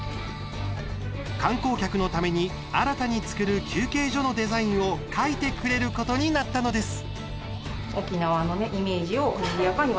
観光客のために新たに造る休憩所のデザインを描いてくれることになったのです。